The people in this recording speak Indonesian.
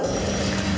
tiga dua satu